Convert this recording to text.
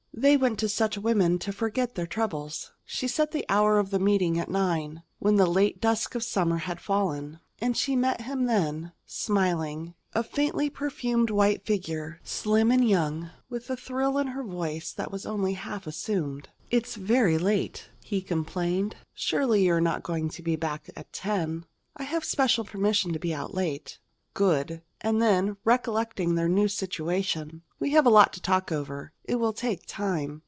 They went to such women to forget their troubles. She set the hour of their meeting at nine, when the late dusk of summer had fallen; and she met him then, smiling, a faintly perfumed white figure, slim and young, with a thrill in her voice that was only half assumed. "It's very late," he complained. "Surely you are not going to be back at ten." "I have special permission to be out late." "Good!" And then, recollecting their new situation: "We have a lot to talk over. It will take time."